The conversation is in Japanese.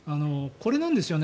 これなんですよね。